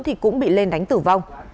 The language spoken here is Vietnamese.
thì cũng bị lên đánh tử vong